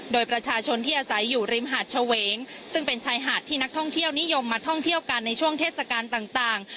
โดยประชาชนที่อาศัยอยู่ริมหาดเฉวงซึ่งเป็นชายหาดที่นักท่องเที่ยวนิยมมาท่องเที่ยวกันในช่วงเทศกาลต่าง